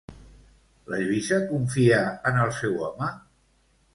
La Lluïsa confia en el seu home?